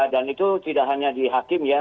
dan itu tidak hanya di hakim ya